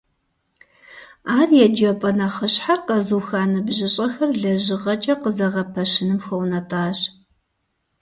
Ар еджапӀэ нэхъыщхьэр къэзуха ныбжьыщӀэхэр лэжьыгъэкӀэ къызэгъэпэщыным хуэунэтӀащ.